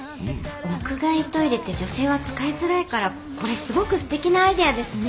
屋外トイレって女性は使いづらいからこれすごくすてきなアイデアですね。